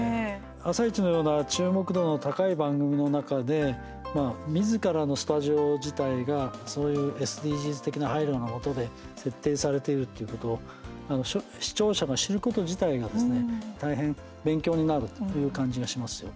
「あさイチ」のような注目度の高い番組の中でみずからのスタジオ自体がそういうＳＤＧｓ的な配慮のもとで設定されているということ視聴者が知ること自体がですね大変勉強になるという感じがしますよ。